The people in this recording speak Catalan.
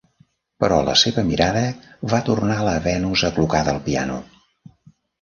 Però la seva mirada va tornar a la Venus Aclucada al piano.